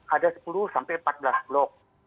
ada sepuluh sampai empat belas blok